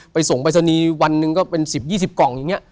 ไปส่งไปสนีวันหนึ่งก็เป็น๑๐๒๐กล่องอย่างเงี้ย